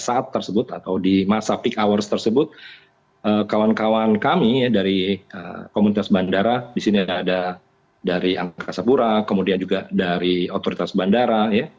saat tersebut atau di masa peak hours tersebut kawan kawan kami dari komunitas bandara di sini ada dari angkasa pura kemudian juga dari otoritas bandara